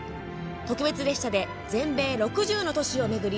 特別列車で全米６０の都市を巡り